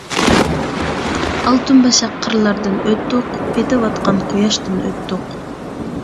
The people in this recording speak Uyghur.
ئالتۇن باشاق قىرلاردىن ئۆتتۇق، پېتىۋاتقان قۇياشتىن ئۆتتۇق.